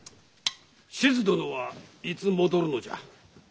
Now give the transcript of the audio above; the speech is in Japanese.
志津殿はいつ戻るのじゃ？